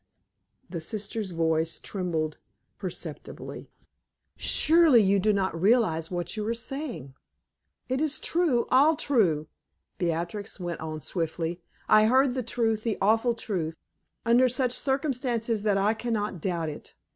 The sister's voice trembled perceptibly. "Surely you do not realize what you are saying!" "It is true all true," Beatrix went on swiftly. "I heard the truth, the awful truth, under such circumstances that I can not doubt it.